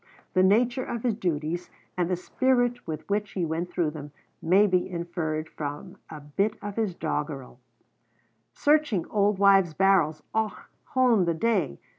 The nature of his duties, and the spirit with which he went through them, may be inferred from a bit of his doggerel: "Searching auld wives' barrels, Och, hone, the day!